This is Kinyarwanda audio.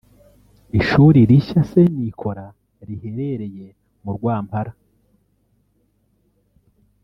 Ishuri rishya Saint Nicolas riherereye mu Rwampara